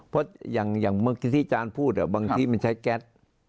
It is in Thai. เพราะอย่างที่จานพูดอ่ะบางทีมันใช้แก๊ส